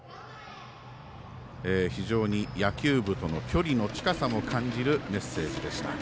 非常に野球部との距離の近さも感じるメッセージでした。